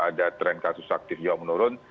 ada tren kasus aktif juga menurun